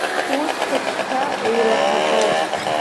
Сусқәа цәгьа еилаԥаҭоуп.